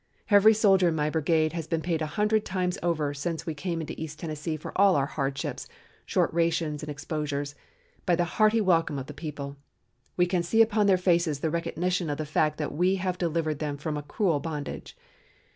Every soldier in my brigade has been paid a hundred times over since we came into East Tennessee for all our hardships, short rations and exposures, by the hearty welcome of the people. We can see upon their faces the recognition of the fact that we have delivered them from a cruel bondage.